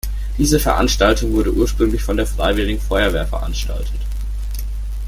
Diese Veranstaltung wurde ursprünglich von der Freiwilligen Feuerwehr veranstaltet.